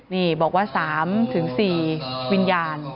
นี่บอกว่า๓๔วิญญาณ